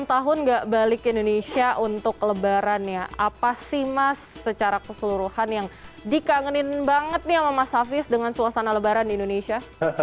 enam tahun nggak balik ke indonesia untuk lebaran ya apa sih mas secara keseluruhan yang dikangenin banget nih sama mas hafiz dengan suasana lebaran di indonesia